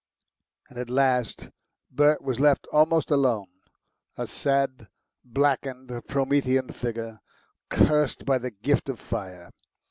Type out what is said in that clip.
And at last Bert was left almost alone, a sad, blackened Promethean figure, cursed by the gift of fire.